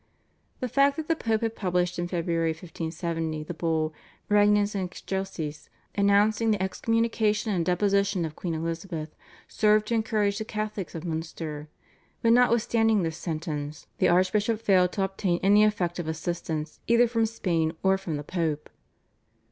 The fact that the Pope had published in February 1570 the Bull, /Regnans in excelsis/ announcing the excommunication and deposition of Queen Elizabeth served to encourage the Catholics of Munster, but notwithstanding this sentence the archbishop failed to obtain any effective assistance either from Spain or from the Pope.